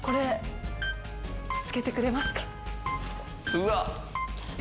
うわっ！